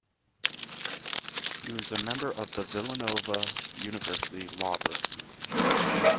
He was a member of the Villanova University Law Review.